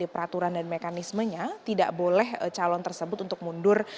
peraturan dan mekanismenya tidak boleh calon tersebut untuk mundur